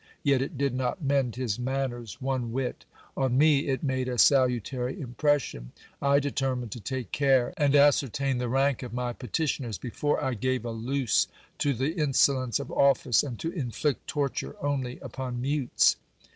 Yet it did not mend his manners one whit On me it made a salutary impression. I deter mined to take care and ascertain the rank of my petitioners, before I gave a loose to the insolence of office, and to inflict torture only upon mutes.